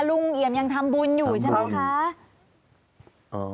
ลุงเอี่ยมยังทำบุญนะ